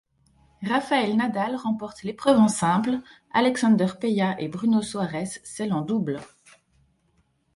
Rafael Nadal remporte l'épreuve en simple, Alexander Peya et Bruno Soares celle en double.